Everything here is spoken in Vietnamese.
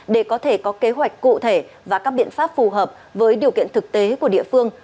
để có thể có kế hoạch cụ thể và các biện pháp phù hợp với điều kiện thực tế của địa phương